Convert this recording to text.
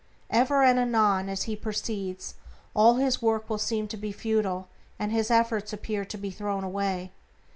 Ever and anon, as he proceeds, all his work will seem to be futile, and his efforts appear to be thrown away.